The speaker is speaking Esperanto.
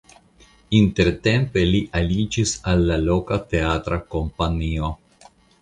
Intertempe li aliĝis al la loka teatra kompanio.